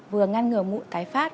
vừa ngăn ngừa mụn tái phát